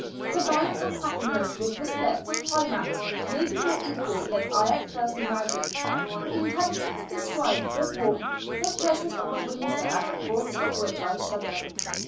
The balance of happiness with respect to climate may be more equal than I at first imagined; for the inhabitants describe with warmth the pleasures of a winter at the thoughts of which I shudder.